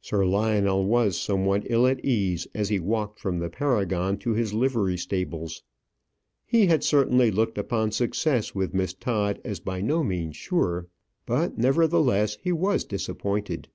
Sir Lionel was somewhat ill at ease as he walked from the Paragon to his livery stables. He had certainly looked upon success with Miss Todd as by no means sure; but, nevertheless, he was disappointed.